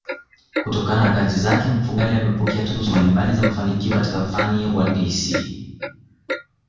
Kutokana na kazi zake Mfugale amepokea tuzo mbalimbai za mafanikio katika fani ya uhandisi